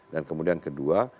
dan kemudian kedua